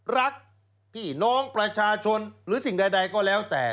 รักพี่น้องประชาชนหรือสิ่งใดก็แล้วแต่